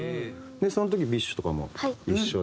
その時ＢｉＳＨとかも一緒で。